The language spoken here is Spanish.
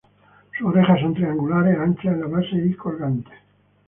Sus orejas son triangulares, anchas en la base y colgantes.